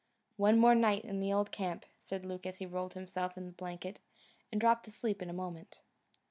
"One more night in the old camp," said Luke as he rolled himself in the blanket and dropped asleep in a moment.